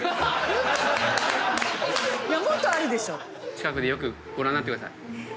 近くでよくご覧になってください。